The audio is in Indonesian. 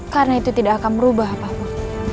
karena itu tidak akan merubah apa apa